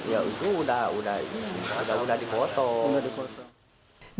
ya itu udah dipotong